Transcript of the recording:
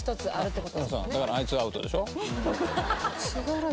だからあいつはアウトでしょ。